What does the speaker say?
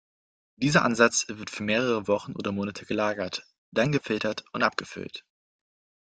Dieser Ansatz wird für mehrere Wochen oder Monate gelagert, dann gefiltert und abgefüllt.